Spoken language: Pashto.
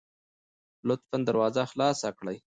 لطفا دروازه خلاصه کړئ